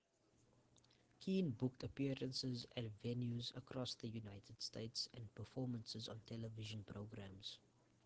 Keane booked appearances at venues across the United States and performances on television programs.